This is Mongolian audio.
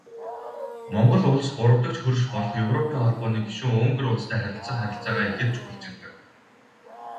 Монгол Улс гуравдагч хөрш болох Европын Холбооны гишүүн Унгар улстай харилцах харилцаагаа ихэд чухалчилдаг.